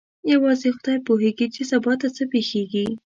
یوازې خدای پوهېږي چې سبا ته څه پېښیږي.